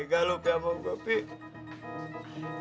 enggak lo piah mau gua pih